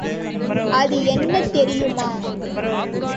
அது என்ன தெரியுமா?